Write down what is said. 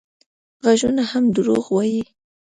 غږونه هم دروغ وايي